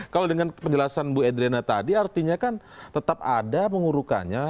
kalau dengan penjelasan bu edriana tadi artinya kan tetap ada pengurukannya